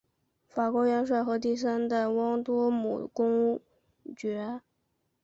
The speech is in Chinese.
法国元帅和第三代旺多姆公爵。